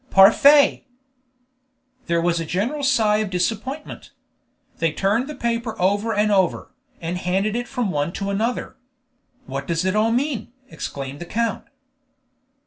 _ Parfait!!!" There was a general sigh of disappointment. They turned the paper over and over, and handed it from one to another. "What does it all mean?" exclaimed the count.